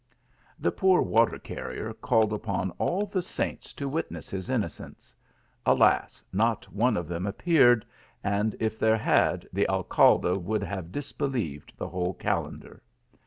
The poor water carrier called upon all the saints to witness his innocence ; alas ! not one of them ap peared, and if there had, the Alcalde would have dis believed the whole kalendar.